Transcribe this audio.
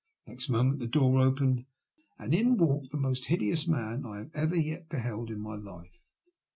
Next moment the door opened, and in walked the most hideous man I have ever yet beheld in my life.